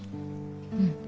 うん。